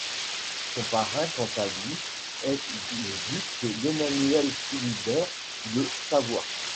Son parrain quant à lui, est le duc Emmanuel-Philibert de Savoie.